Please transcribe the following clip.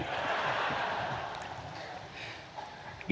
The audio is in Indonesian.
ini jadi persiapan bagus nih pak yusri ini